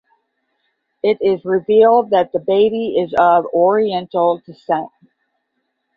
It is revealed that the baby is of oriental descent.